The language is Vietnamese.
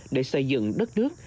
để xây dựng đất nước